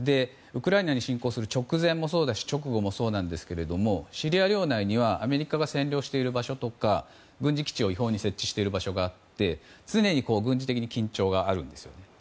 ウクライナに侵攻する直前もそうだし直後もそうなんですけどシリア領内にはアメリカが占領している場所とか軍事基地を違法に設置している場所があって常に軍事的に緊張があるんです。